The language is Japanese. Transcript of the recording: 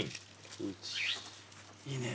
いいね。